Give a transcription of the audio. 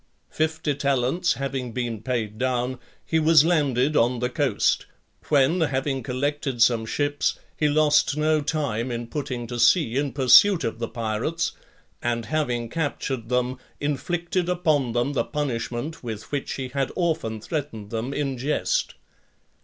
Fifty talents having been paid down, he was landed on the coast, when, having collected some ships , he lost no time in putting to sea in pursuit of the pirates, and having captured them, inflicted upon them the punishment with which he had often threatened them in jest.